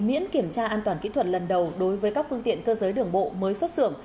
miễn kiểm tra an toàn kỹ thuật lần đầu đối với các phương tiện cơ giới đường bộ mới xuất xưởng